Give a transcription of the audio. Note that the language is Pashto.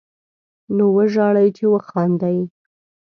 نو وژاړئ، چې وخاندئ